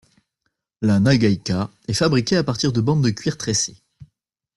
La nagaïka est fabriqué à partir de bandes de cuir tressées.